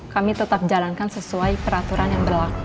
kami tetap jalankan sesuai peraturan yang berlaku